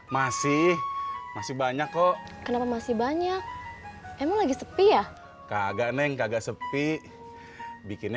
masih masih banyak kok kenapa masih banyak emang lagi sepi ya kagak neng kakak sepi bikinnya